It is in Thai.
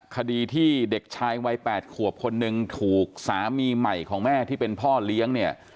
คดีที่เด็กชายวัย๘ขวบคนหนึ่งถูกสามีใหม่ของแม่ที่เป็นพ่อเลี้ยงเนี่ย